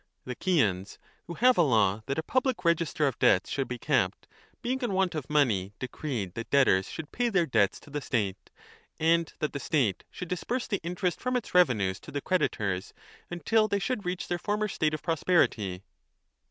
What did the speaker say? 35 The Chians, who have*a law that a public register of debts should be kept, being in want of money decreed that i348 a debtors should pay their debts to the state and that the state should disburse the interest from its revenues to the creditors until they should reach their former state of prosperity.